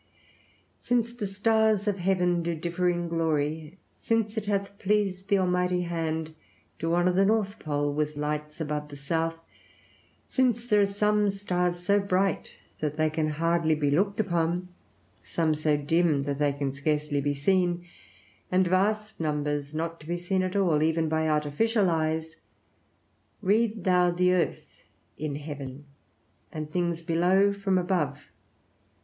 Since the stars of heaven do differ in glory; since it hath pleased the Almighty hand to honor the north pole with lights above the south; since there are some stars so bright that they can hardly be looked upon, some so dim that they can scarcely be seen, and vast numbers not to be seen at all even by artificial eyes; read thou the earth in heaven and things below from above.